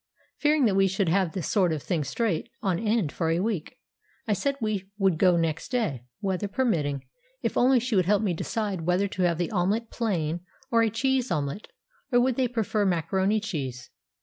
Fearing that we should have this sort of thing straight on end for a week, I said we would go next day, weather permitting, if only she would help me decide whether to have the omelette plain, or a cheese omelette, or would they prefer macaroni cheese?